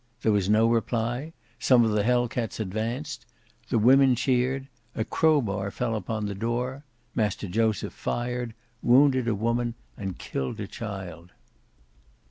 There was no reply: some of the Hell cats advanced; the women cheered; a crowbar fell upon the door; Master Joseph fired, wounded a woman and killed a child.